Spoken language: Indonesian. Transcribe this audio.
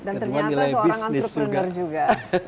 dan ternyata seorang entrepreneur juga